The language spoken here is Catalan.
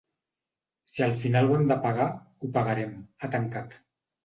“Si al final ho hem de pagar, ho pagarem”, ha tancat.